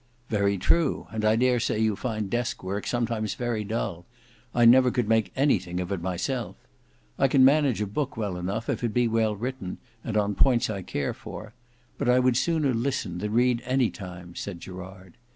"Very true; and I dare say you find desk work sometimes very dull; I never could make anything of it myself. I can manage a book well enough, if it be well written, and on points I care for; but I would sooner listen than read any time," said Gerard.